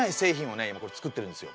今これ作ってるんですよ。